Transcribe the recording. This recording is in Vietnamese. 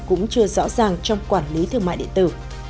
cũng chưa rõ ràng trong quản lý thương mại điện tử